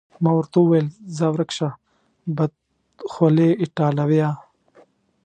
ما ورته وویل: ځه ورک شه، بدخولې ایټالویه.